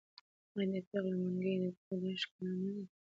آیا د پیغلو منګي د ګودر ښکلا نه ده؟